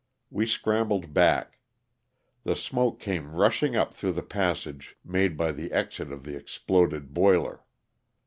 We scrambled back. The smoke came rushing up through the passage made by the exit of the exploded boiler.